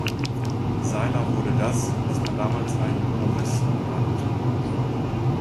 Seiler wurde das, was man damals einen „Humoristen“ nannte.